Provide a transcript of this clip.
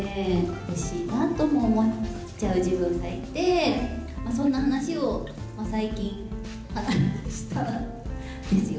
欲しいなと思っちゃう自分がいて、そんな話を最近、したんですよ。